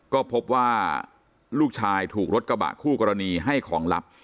ก็พบว่าลูกชายถูกรถกระบะคู่กรณีให้ของลับ